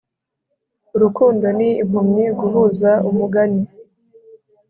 urukundo ni impumyi guhuza umugani